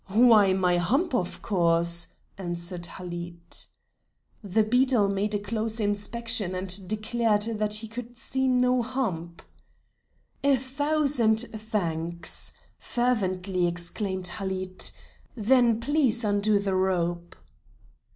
"Why, my hump, of course," answered Halid. The beadle made a close inspection and declared that he could see no hump. "A thousand thanks!" fervently exclaimed Halid, "then please undo the rope."